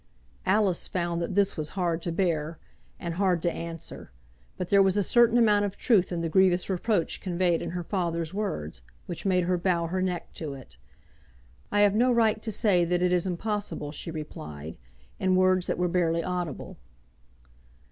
Alice found that this was hard to bear and hard to answer; but there was a certain amount of truth in the grievous reproach conveyed in her father's words, which made her bow her neck to it. "I have no right to say that it is impossible," she replied, in words that were barely audible.